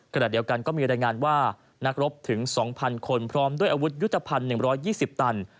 ขณะเดียวกันก็มีรายงานว่านักรบถึง๒๐๐คนพร้อมด้วยอาวุธยุทธภัณฑ์๑๒๐ตัน